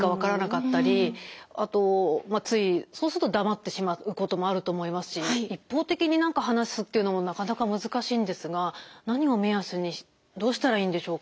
あとまあついそうすると黙ってしまうこともあると思いますし一方的に何か話すっていうのもなかなか難しいんですが何を目安にどうしたらいいんでしょうか？